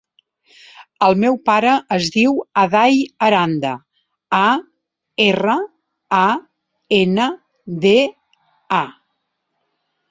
El meu pare es diu Aday Aranda: a, erra, a, ena, de, a.